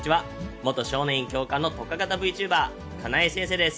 元少年院教官の特化型ＶＴｕｂｅｒ、かなえ先生です。